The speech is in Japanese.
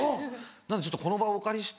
なのでちょっとこの場をお借りして。